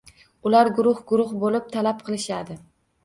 Ular guruh-guruh bo‘lib talab qilishadi: